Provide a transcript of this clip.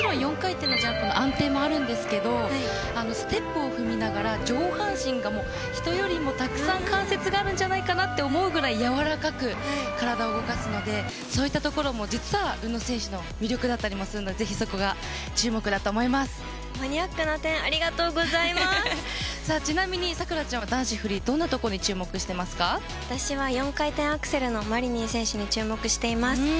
もちろん４回転のジャンプは安定がありますがステップを踏みながら上半身が人よりもたくさん関節があるんじゃないかと思うくらいやわらかく体を動かすのでそういったところも実は宇野選手の魅力だったりもするのでマニアックな点ちなみに桜ちゃんは男子フリー私は４回転アクセンのマリニン選手に注目しています。